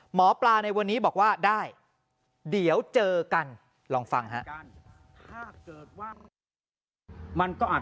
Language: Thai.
หมอปลาในวันนี้บอกว่าได้เดี๋ยวเจอกันลองฟังฮะ